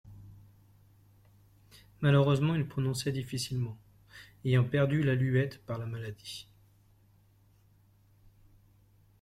Malheureusement il prononçait difficilement, ayant perdu la luette par la maladie.» (Hub.